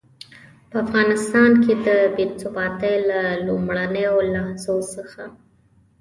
په افغانستان کې د بې ثباتۍ له لومړنيو لحظو څخه.